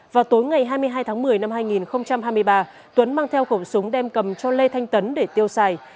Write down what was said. vào tối ngày hai mươi hai tháng một mươi năm hai nghìn hai mươi ba tuấn mang theo khẩu súng đem cầm cho lê thanh tấn để tiêu xài